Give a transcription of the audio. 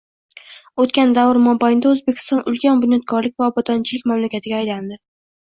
O‘tgan davr mobaynida O‘zbekiston ulkan bunyodkorlik va obodonchilik mamlakatiga aylandi.